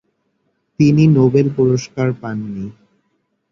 তিনি নোবেল পুরস্কার পাননি।